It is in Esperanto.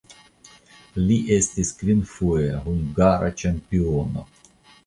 Li estis kvinfoje hungara ĉampiono.